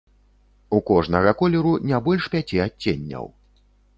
У кожнага колеру не больш пяці адценняў.